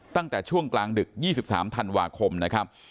ตั้งแต่ช่วงกลางดึก๒๓ธันวาคมนะครับ